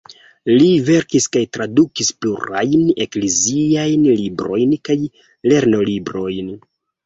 Li verkis kaj tradukis plurajn ekleziajn librojn kaj lernolibrojn.